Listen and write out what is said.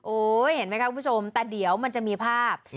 เห็นไหมครับคุณผู้ชมแต่เดี๋ยวมันจะมีภาพ